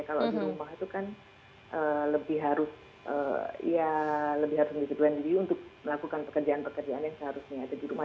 kalau di rumah itu kan lebih harus ya lebih harus menghidupkan diri untuk melakukan pekerjaan pekerjaan yang seharusnya ada di rumah